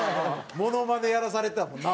モノマネやらされてたもんな。